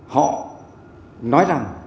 họ nói rằng